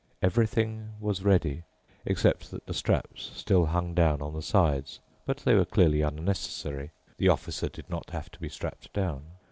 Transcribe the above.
Everything was ready, except that the straps still hung down on the sides. But they were clearly unnecessary. The Officer did not have to be strapped down.